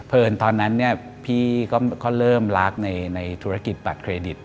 เพราะเอิญทอนนั้นพี่ก็เริ่มรักในธุรกิจบัตรเครดิต